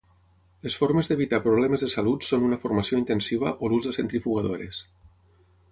Les formes d'evitar problemes de salut són una formació intensiva o l'ús de centrifugadores.